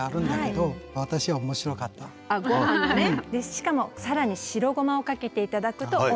しかも更に白ごまをかけて頂くとおいしいです。